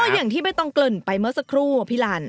อย่างที่ไม่ต้องเกริ่นไปเมื่อสักครู่อะพี่ลัน